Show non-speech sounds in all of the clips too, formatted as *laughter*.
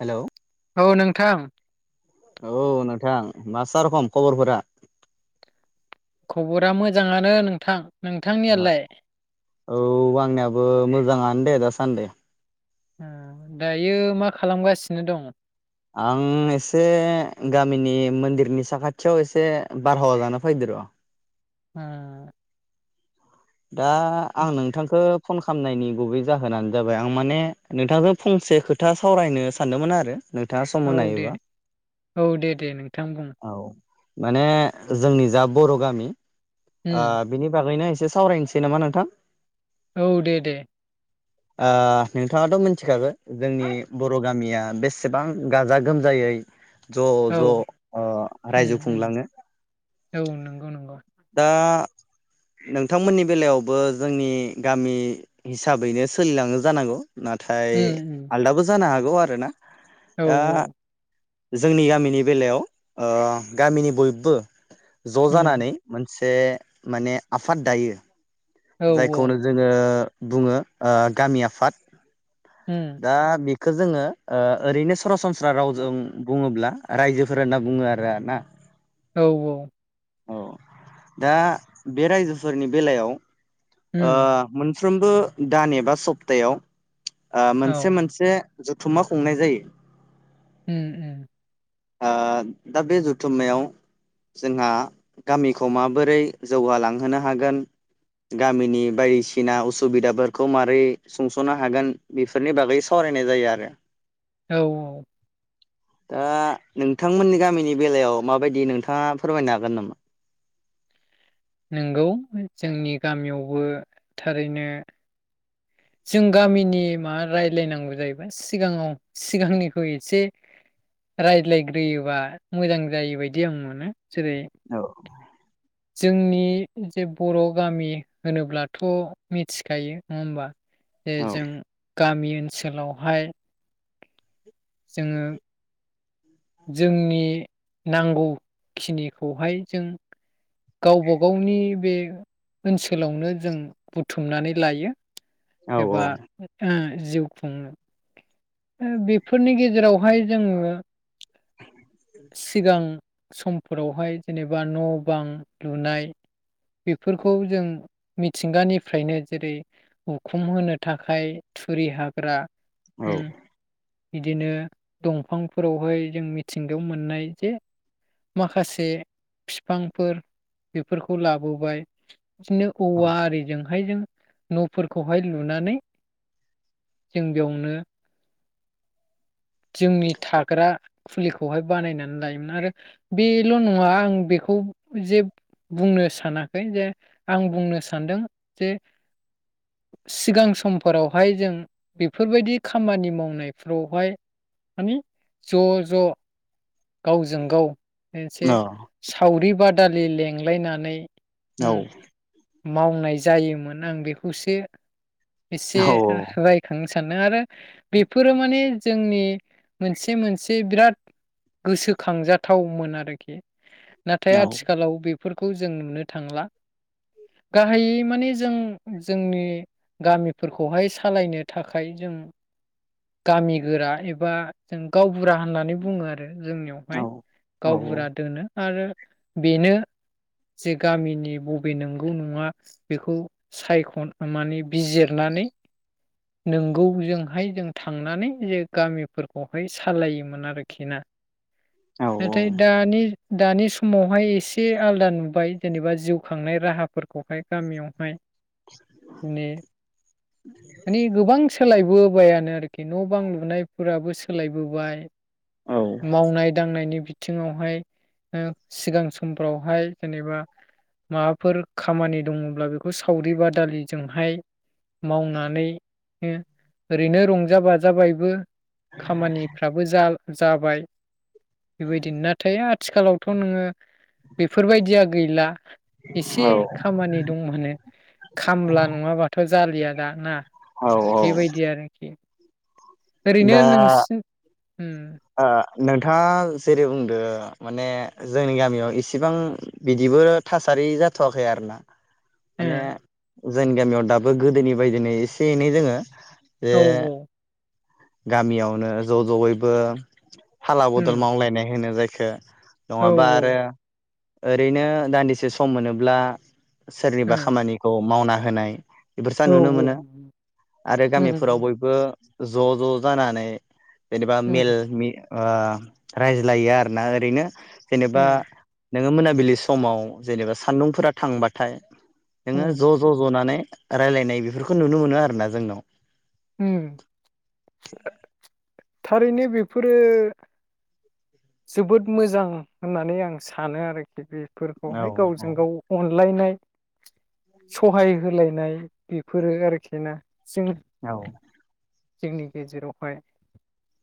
Hello. औ नोंथां। औ नोंथां मा सा रखम खबरफोरा? खबरा मोजाङानो नोंथां। नोंथांनियालाय? औ औ आंनियाबो मोजाङानो दे दासान्दि। ए दायो मा खालामगासिनो दं? आं एसे गामिनि मन्दिरनि साखाथियाव एसे बारहावा जानो फाद र'। ए। दा आं नोंथांखौ फन खालामामनायनि गुबै जाहोनानो जाबाय आं माने नोंथांखौ फंसे खोथा सावरायनो सानदोंमोन आरो। नोंथाङा सम औ होनो दे हायोबा। औ दे दे नोंथां बुं। औ माने जोंनि जा बर' गामि। उम ओ- बिनि बागैनो एस सावरायनोसै नामा नोंथां? औ दे दे। ओ- नोंथाङाथ' मिथिखागोन जोंनि बर' गामिया बेसेबां गाजा गोमजायै। ज' औ ज' ओ- उम रायजो उम खुंलाङो। औ नंगौ नंगौ। दा- नोंथांमोननि बेलायावबो जोंनि गामि हिसाबैनो सोलिलाङो जानांगौ। नाथाय उम उम आलदाबो जानो। गौ आरो ना? औ औ जोंनि गामिनि बेलायाव ओ गामिनि बयबो ज' उम जानानै से माने आफाद दायो। औ जायखौ नो जोंङो बुंङो ओ गामि आफाद। उम दा बेख खो जोंङो आ ओरैनो सरासनस्रा रावजों बुंङोब्ला रायजोफोर होनना बुंङो आरो ना औ औ औ दा बे रायजोफोरनि बेलायाव उम आह फ्रोमबो दान एबा सप्तायाव ओ औ मोनसे मोनसे जथुमा खुंनाय जायो। उम उम ओ दा बे जुथुमनायाव जोंहा गामिखौ माबोरै जौगालांहोनो हागोन गामिनि बायदिसिना उसुबिदाफोरखौ माबारै सुंस'नो हागोन बेफोरनि बागै सावरायनाय जायो आरो। औ औ दा नोंथांमोननि गामिनि बेलायाव माबायदि नोंथांङा फोरमायनो हागोन नामा? नंगौ जोंनि गामियावबो थारैनो जों गामिनि माबा रायज्लायनांगौ जायोब सिगांङाव सिगांनिखौ एसे रायज्लायग्रोयोबा मोजां जायो बायदि आं मोनो। जेरै औ जोंनि जे बर' गामि होनोब्लाथ' मिथिखायो नंङा होमबा? औ ए जों गामि ओन सोलावहाय जोंङो जोंनि नांगौखिनिखौहाय जों गावबा गावनि बे ओनसोलावनो जों बुथुमनानै लायो। एबा ओ जिउ खुंङो। बेफोरनि गेजेरावहाय जोंङो सिगां सम फोरावहाय जेनेबा न' बां लुनाय बेफोरखौ जों मिथिंगानिफ्रायनो जेरै उखुम होनो थाखाय थुरि हाग्रा औ उम बिदिनो दं। दंफांफोरावहाय जों मिथिंगायाव मोननाय जे माखासे फिफांफोर बेफोरखौ लाबोबाय। बिदिनो औवा आरिजोंहाय जों न'फोरखौहाय लुनानै जों बेयावनो। जोंनि थाग्रा खुलिखौहाय बानायनानै लायोमोन आरो बेल नङा आं बेखौ जे बुंनो सानाखै जे आं बुंनो सानदों जे सिगां समफोरावहाय जों बेफोरबायदि खामानि मावनाय फ्रावहाय माने ज' ज' गावजों गाव एसे सावरि बाद दालि लेंलायनानै औ उम मावनाय जायोमोन आं बेखौसो एसे रायखांनो सानदों आरो बेफोरो माने जोंनि मोनसे मोनसे बिराद। गोसोखांजाथावमोन आरोखि। नाथाय आथिखालाव बे फोरखौ जों नुनो थांला गाहायै माने जों जोंनि गामिफोरखौहाय सालायनो थाखाय जों। गामि गोरा एबा जों गावबुरा होननानै बुङो आरो। जोंनियावहाय गावबुरा दोनो। आरो बेनो जे गामिनि बबे नंगौ नङा बेखौ सायख'ना माने बिजिरनानै नोंगौ जोंहाय जों थांनानै जे गामिफोरखौहाय सालायोमोन आरोखि ना? नाथाय दानि दानि समावहाय एसे आलादा नुबाय जेनेबा जिउ खांनाय राहाफोरखौहाय गामियावहाय माने माने गोबां सोलायबो बोबायानो आरो। खि न' बां लुनायफोराबो सोलायबोबाय। मावनाय दांनायनि बिथ बिथिङावहाय ओ सिगां समफ्रावहाय जेनेबा माबाफोर खामानि दङब्ला बेखौ सावरि बादालिजोंहाय मावनानै ओरैनो रं जाबा जाबायबो। खामानिफ्राबो जा जाबाय। बेबायदिनो नाथाय आ थिखालावथ' नोङो बेफोरबायदिया गैला एसे खामानि दंहोनो खामला नङाबाथ' जालिया दा ना औ औ बेबायदि आरोखि ओरैनो दा नोंसि ओ नोंथाङा जेरै बुंदो माने जोंनि गामियाव इसेबां बिदिबो थासारि जाथ'वाखै आरोना माने जोंनि गामियाव दाबो गोदोनि बायदिनो एसे एनै जोङो जे ओ औ गामियावनो ज' ज'यैबो फाला उम बदल मावलायनाय होनो जाय खो औ नङाबा आरो ओरैनो दान्दिसे सम मोनोब्ला सोरनिबा खामानिखौ मावना होनाय बेफोरसी नुनो ओ औ मोनो औ आरो उम गामिफोराव बयबो ज' ज' जानानै जेनेबा मेल उम आ रायज्लायो आरोना ओरैनो जेनेबा उम नोङो मोनाबिलि समाव जेनेबा सान्दुंफोरा थांबाथाय नोङो उम ज' ज' ज'नानै रायलायनाय बेफोरखौ नुनो मोनो आरो ना जोंनाव उम थारैनो बेफोरो जोबोद मोजां होननानै आं सानो आरोखि बे औ फोरखौहाय गावजों गाव अनलायनाय सहाय होलायनाय बेफोरो आरोखि ना जों औ। जोंनि गेजेरावहाय।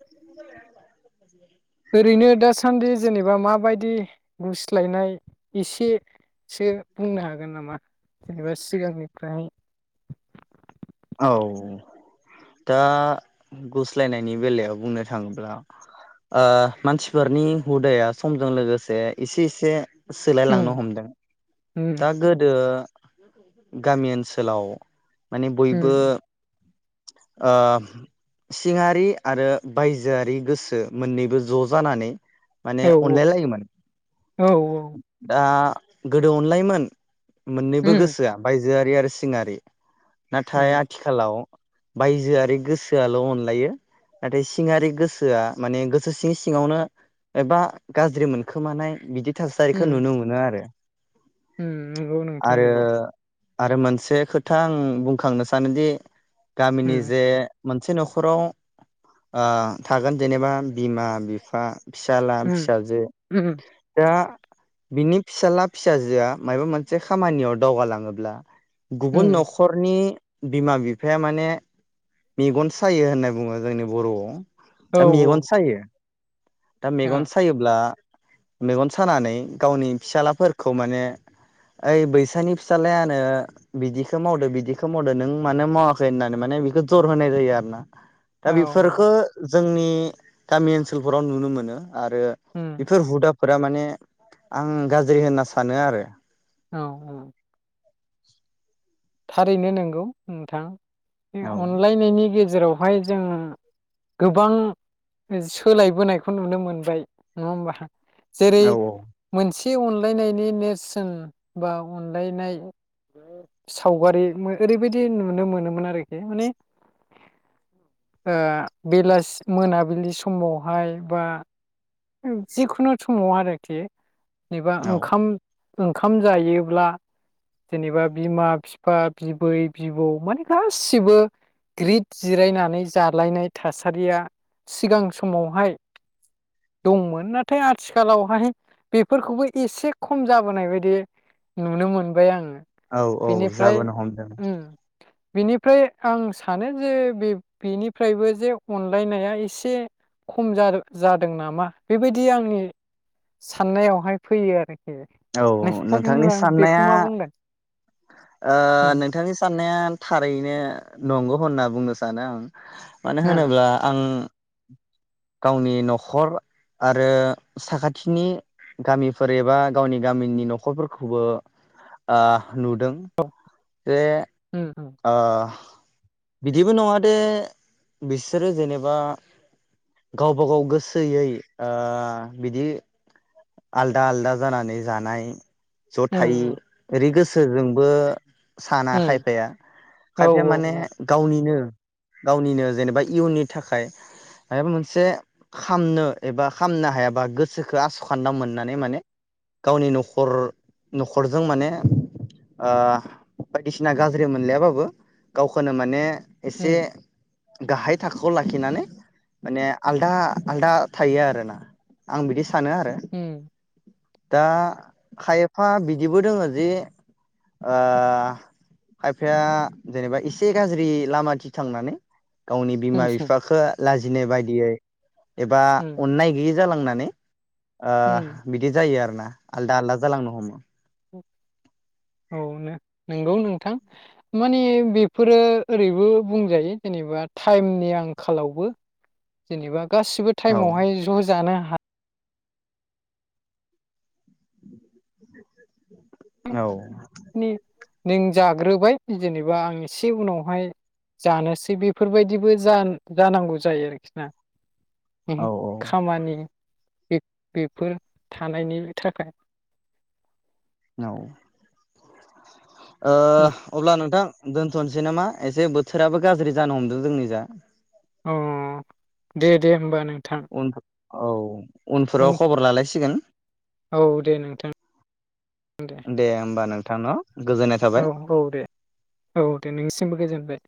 *unintelligible* ओरैनो दासान्दि जेनेबा माबायदि गुस्लायनाय एसेसो बुंनो हागोन नामा जेनेबा सिगांनिफ्राय? औ दा गुस्लायनायनि बेलायाव बुंनो थाङोब्ला ओ मानसिफोरनि हुदाया समजों लोगोसे एसे एसे उम सोलायलांनो हमदों। उम दा गोदो गामि ओनसोलाव माने बयबो उम ओ सिङारि आरो बायजोआरि गोसो मोननैबो ज' जानानै माने औ अनलायलायोमोन औ औ दा गोदो अनलायोमोन मोननैबो उम गोसोआ बाय जोआरि आरो सिङारि उम नाथाय आथिखालाव बायजोआरि गोसोआल' अनलायो नाथाय सिङारि गोसोआ माने गोसो सिं सिङावनो एबा गाज्रि मोनखोमानाय बिदि थासारिखौ उम नुनो मोनो आरो। उम नोंगौ नोंथां आरो नोंगौ। आरो मोनसे खोथा आं बुंखांनो सानोदि गामिनि उम जे मोनसे न'खराव ओ थागोन जेनेबा बिमा बिफा फिसाला उम फिसाजो उम दा बिनि फिसाला फिसाजोआ मायबा मोनसे खामानियाव दावगालाङोब्ला गुबुन उम न'खरनि बिमा बिफाया मान ने मेगन सायो होननाय बुङो जोंनि बर'आव। औ दा मेगन सायो दा ओ मेगन औ सायोब्ला मेगन सानानै गावनि फिसालाफोरखौ माने ओइ बैसानि फिसालायानो बिदिखौ मावदो बिदिखौ मावदो नों मानो मावा खै होननानै माने बेखौ जर होनाय जायो आरो ना। दा औ बेफोरखो जोंनि गामि ओनसोलफोराव नुनो मोनो। आरो उम बेफोर हुदा फोरा माने आं गाज्रि होनना सानो आरो। औ उम। *inaudible* थारैनो नोंगौ नोंथां बे औ अनलायनायनि गेजेराव। बेवहाय जों गोबां सोलायबोनायखौ नुनो मोनबाय नङा होमबा? जेरै औ मोनस बे अनलायनायनि नेरसोन बा अनलायनाय। सावगारि मो ओरैबायदि नुनो मोनोमोन आरोखि माने ओ बेलासि मोनाबिलि समावहाय बा जिखुनु समाव आरोखि। एबा औ ओंखाम। ओंखाम जायोब्ला जेनेबा बिमा। फिफा बिबै बिबौ माने गासिबो ग्रिद जिरायनानै जालायनाय थासारिया सिगां समावहाय दंमोन नाथाय आथिखालावहाय बेफोरखौबो एसे खम जाबोनाय बायदि नुनो मोनबाय आं। औ औ। जाबोनो हमदों। बिनिफ्राय आं सानो जे बे बेनिफ्रायबो जे अनलायनाया एसे खम जादो जादों नामा बेबायदि आंनि। साननायावहाय फैयो आरोखि। औ नोंथांनि नोंथांनिबा बेखौ साननाया। मा बुंगोन उम ओ-नोंथांनि साननाया थारैनो। नंगौ होनना बुंनो सानो आं। मानो आ होनोब्ला आं। गावनि न'खर आरो साखाथिनि गामिफोर एबा गावनि गामिनि न'खरफोरखौबो आ- नुदों औ ए। उम उम ओ- बिदिबो नङा दे बिसोरो जेनेबा गावबा गाव गोसोयै ओ बिदि आलदा आलदा जानानै जानाय। जथाय उम ओरै गोस सोरजोंबो। साना उम खायफाया। औ खायफाया माने औ गावनिनो। गावनिनो जेनेबा इयुननि थाखाय मायबा मोनसे खामनो एबा खामनो हायाबा गोसोखो आस खान्दा मोननानै माने गावनि न'खर न'खरजों माने ओ बायदिसिना गाज्र ज्रि मोनलायाबाबो गावखौनो माने। एसे। उम गाहाय थाखोआव लाखिनानै माने आलदा आलदा थायो आरोना आं बिदि सा सानो आरो। उम दा खायफा बिदिबो दोङो जे ओ- खायफाया जेनेबा एसे गाज्रि लामाथि थांनानै। गावनि उम बिमा बिफाखो। लाजिनाय बादियै। एबा उम अननाय गैयै जालांनानै। ओह बिदि जायो आरो ना। आलदा आलदा जालांनो हमो। औ नो-नोंगौ नोंथां माने बेफोरो ओरैबो बुंजायो जेनेबा टाइमनि आंखालावबो जेनेबा गासिबो औ टाइमावहाय ज जानो हा औ हानायनि नों जाग्रोबाय जेनेबा आं एसे उनावहाय जानोसै बेफोरबायदिबो जान-जानांगौ जायो आरोखि ना। उम औ खामानि बेफ-बेफोर थानायनि थाखाय। औ। उम ओह अब्ला नोंथां। दोनथनोसै नामा एसे बोथोराबो गाज्रि जानो हमदों जोंनि जा। अह दे दे होमबा नों अनफ औ। उनफोराव उन खबर लालायसिगोन। औ दे नोंथां दे थांन औ औ दे औ दे नोंनिसिमबो गोजोनबाय।